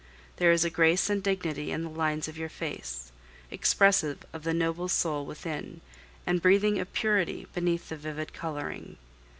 There is a grace and dignity in the lines of your face, expressive of the noble soul within, and breathing of purity beneath the vivid coloring.